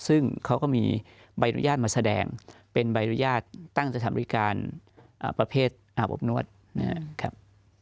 ซึ่งเขาก็มีใบอนุญาตมาแสดงเป็นใบอนุญาตตั้งสถานบริการประเภทอาบอบนวดนะครับ